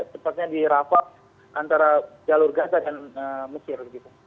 tepatnya di rafah antara jalur gaza dan mesir